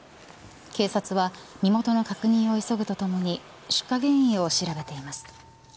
警察は身元の確認を急ぐとともに出火原因を調べています。